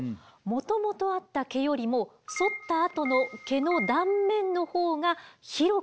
もともとあった毛よりもそったあとの毛の断面の方が広く見えませんか？